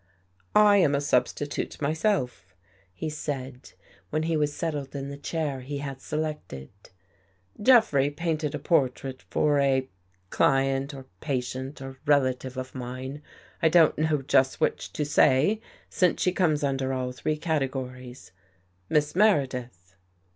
" I am a substitute myself," he said, when he was settled in the chair he had selected. " Jeffrey painted a portrait for a — client, or patient, or rela tive of mine, I don't know just which to say since she comes under all three categories — Miss Meredith."